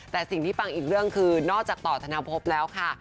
แต่สิ่งที่ปังอีกเรื่องคือนอกจากต่อธนภพแล้วค่ะ